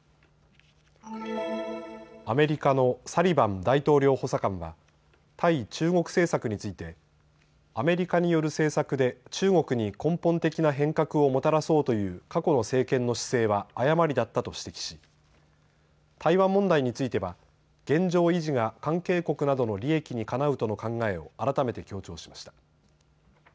アメリカのサリバン大統領補佐官は対中国政策についてアメリカによる政策で中国に根本的な変革をもたらそうという過去の政権の姿勢は誤りだったと指摘し台湾問題については現状維持が関係国などの利益にかなうとの考えを改めて強調しました。